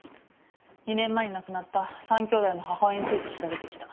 ２年前に亡くなった３兄弟の母親について調べてきた。